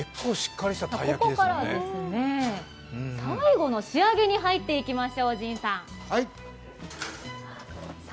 ここから最後の仕上げに入っていきます。